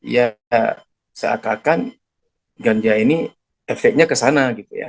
ya seakalkan ganja ini efeknya kesana